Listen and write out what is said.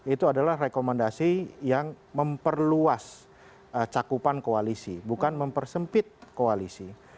itu adalah rekomendasi yang memperluas cakupan koalisi bukan mempersempit koalisi